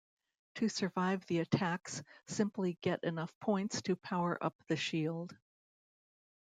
To survive the attacks simply get enough points to power up the shield.